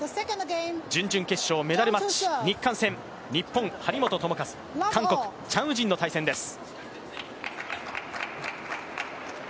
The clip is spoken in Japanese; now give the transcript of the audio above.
準々決勝、メダルマッチ日韓戦、日本、張本智和、韓国、チャン・ウジンの対戦です。